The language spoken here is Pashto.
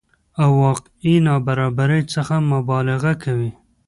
او واقعي نابرابرۍ څخه مبالغه کوي